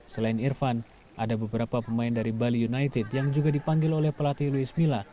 selain irfan ada beberapa pemain dari bali united yang juga dipanggil oleh pelatih luis mila